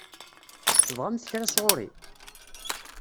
Tebɣamt kra sɣur-i?